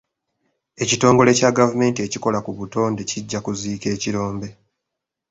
Ekitongole kya gavumenti ekikola ku butonde kijja kuziika ekirombe.